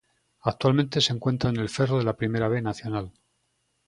Actualmente se encuentra en el Ferro de la Primera B Nacional.